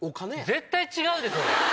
絶対違うでそれ。